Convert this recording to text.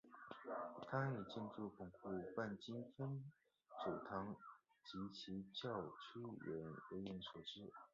他以建设巩固万金天主堂及其教区为人所知。